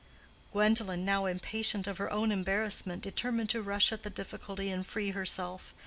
Gwendolen, now impatient of her own embarrassment, determined to rush at the difficulty and free herself.